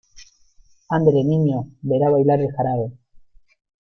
andele, niño , verá bailar el jarabe.